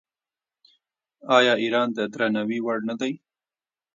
آیا ایران د درناوي وړ نه دی؟